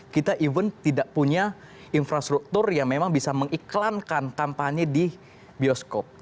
kita even tidak punya infrastruktur yang memang bisa mengiklankan kampanye di bioskop